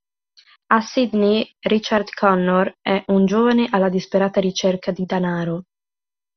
A Sydney, Richard Connor è un giovane alla disperata ricerca di danaro.